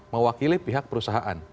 mewakili pihak perusahaan